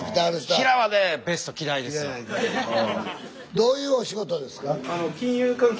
どういうお仕事ですか？